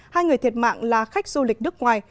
hai người thiệt mạng là khách du lịch nước ngoài